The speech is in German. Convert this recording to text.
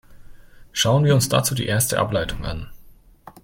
Schauen wir uns dazu die erste Ableitung an.